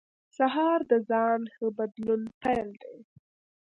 سهار د ځان ښه بدلون پیل دی.